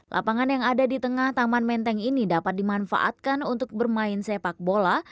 lapangan yang ada di tengah taman menteng ini dapat dimanfaatkan untuk bermain sepak bola